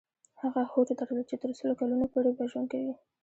هغه هوډ درلود چې تر سلو کلونو پورې به ژوند کوي.